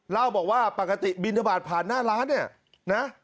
เล่าบอกว่าปกติบินทบาทผ่านหน้าร้านเนี่ยนะ